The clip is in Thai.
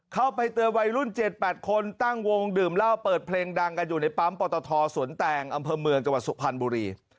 เข้าไปเตือนวัยรุ่น๗๘คนตั้งวงดื่มเหล้าเปิดเพลงดังกันอยู่ในปั๊มปตทสวนแตงอำเภอเมืองจังหวัดสุพรรณบุรี